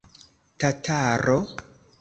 Tataro?